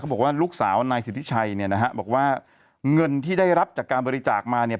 บอกว่าลูกสาวนายสิทธิชัยเนี่ยนะฮะบอกว่าเงินที่ได้รับจากการบริจาคมาเนี่ย